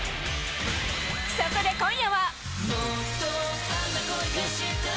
そこで今夜は。